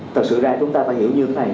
thật sự ra chúng ta phải hiểu như thế này